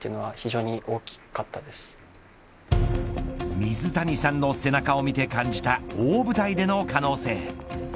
水谷さんの背中を見て感じた大舞台での可能性。